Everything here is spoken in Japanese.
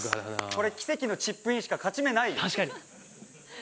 これ、奇跡のチップインしか勝ち目ないよ。